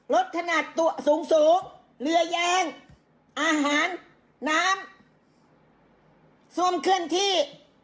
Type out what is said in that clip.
ขนาดตัวสูงสูงเรือแยงอาหารน้ำซ่วมเคลื่อนที่